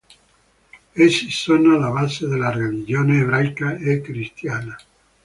Essi sono alla base della religione ebraica e cristiana.